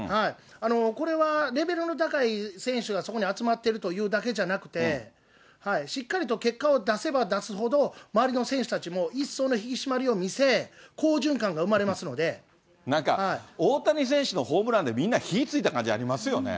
これはレベルの高い選手がそこに集まってるというだけじゃなくて、しっかりと結果を出せば出すほど、周りの選手たちも一層の引き締まりを見せ、好循環が生まれますのなんか、大谷選手のホームランで、みんな火ついた感じありますよね。